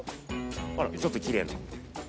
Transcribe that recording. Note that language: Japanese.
あらちょっときれいな。